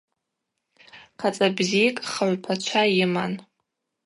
Хъацӏа бзикӏ хыгӏвпачва йыман.